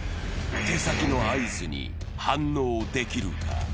手先の合図に反応できるか？